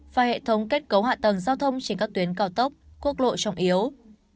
và hệ thống kết cấu hạ tầng giao thông trên các tuyến cao tốc quốc lộ trọng yếu